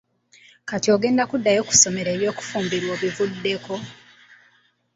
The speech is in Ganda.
Kati ogenda kuddayo ku ssomero eby'okufumbirwa obivuddeko?